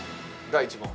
第１問。